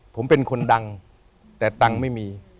ผมเป็นคนดังแต่ตังค์ไม่มี